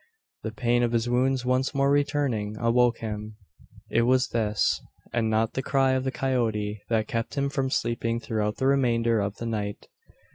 The pain of his wounds, once more returning, awoke him. It was this and not the cry of the coyote that kept him from sleeping throughout the remainder of the night.